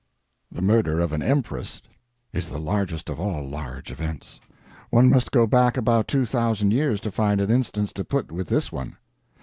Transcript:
The murder of an empress is the largest of all large events. One must go back about two thousand years to find an instance to put with this one.